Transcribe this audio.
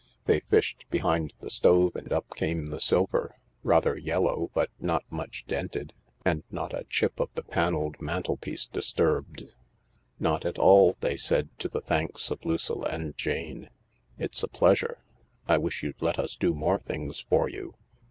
They fished behind the stove, and up came the silver — rather yellow, but not much dented — and not a chip of the panelled mantel piece disturbed. "Not at all," they said to the thanks of Lucilla and Jane. " It's a pleasure. I wish you 'diet us do more things for you.